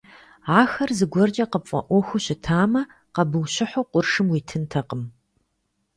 Ахэр зыгуэркӀэ къыпфӀэӀуэхуу щытамэ, къэбущыхьу къуршым уитынтэкъым.